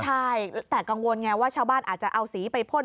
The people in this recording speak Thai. ใช่แต่กังวลไงว่าชาวบ้านอาจจะเอาสีไปพ่น